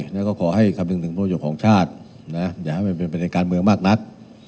แล้วก็ขอให้คำนึงถึงผู้โยคของชาติอย่าให้มันเป็นบริษัทเมืองมากนัก